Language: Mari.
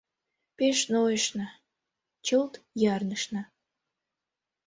Пеш нойышна, чылт ярнышна.